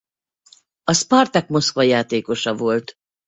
A Szpartak Moszkva játékosa volt.